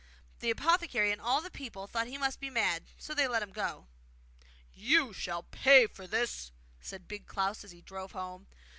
The apothecary and all the people thought he must be mad, so they let him go. 'You shall pay for this!' said Big Klaus as he drove home.